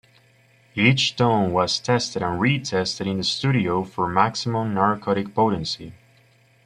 Each tone was tested and retested in the studio for maximum narcotic potency.